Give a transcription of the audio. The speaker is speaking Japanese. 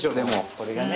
これがね